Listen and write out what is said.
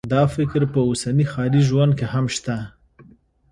دا فکر په اوسني ښاري ژوند کې هم شته